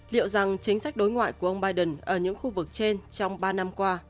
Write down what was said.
liệu rằng chính sách đối ngoại của ông biden ở những khu vực trên trong ba năm qua